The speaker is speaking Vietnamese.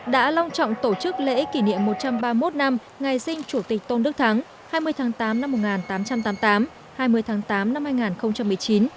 đã long trọng tổ chức lễ kỷ niệm một trăm ba mươi một năm ngày sinh chủ tịch tôn đức thắng hai mươi tháng tám năm một nghìn tám trăm tám mươi tám hai mươi tháng tám năm hai nghìn một mươi chín